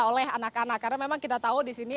oleh anak anak karena memang kita tahu disini